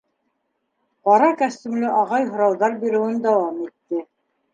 — Ҡара костюмлы ағай һорауҙар биреүен дауам итте.